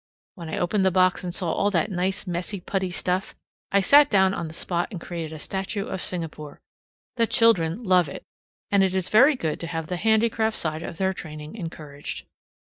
When I opened the box and saw all that nice messy putty stuff, I sat down on the spot and created a statue of Singapore. The children love it; and it is very good to have the handicraft side of their training encouraged.